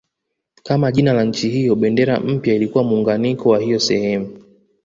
Kama jina la nchi hiyo bendera mpya ilikuwa muunganiko wa hiyo sehemu